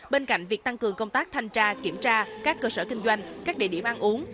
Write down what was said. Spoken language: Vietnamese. bên cạnh việc tăng cường công tác thanh tra kiểm tra các cơ sở kinh doanh các địa điểm ăn uống